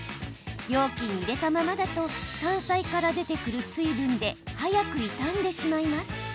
容器に入れたままだと山菜から出てくる水分で早く傷んでしまいます。